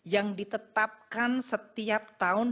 yang ditetapkan setiap tahun